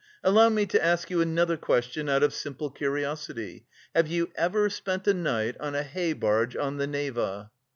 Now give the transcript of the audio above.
Allow me to ask you another question out of simple curiosity: have you ever spent a night on a hay barge, on the Neva?"